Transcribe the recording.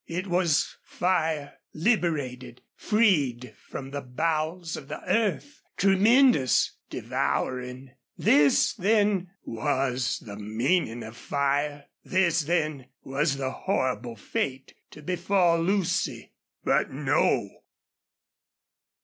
It was fire, liberated, freed from the bowels of the earth, tremendous, devouring. This, then, was the meaning of fire. This, then, was the horrible fate to befall Lucy. But no!